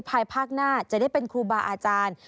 ภายภาคหน้าจะได้เป็นครูบาอาจารย์